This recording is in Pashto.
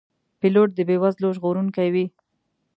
پیلوټ د بې وزلو ژغورونکی وي.